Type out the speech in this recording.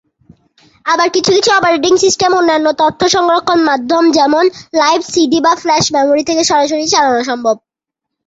আবার কিছু কিছু অপারেটিং সিস্টেম অন্যান্য তথ্য সংরক্ষণ মাধ্যম যেমন লাইভ সিডি বা ফ্ল্যাশ মেমরি থেকে সরাসরি চালানো সম্ভব।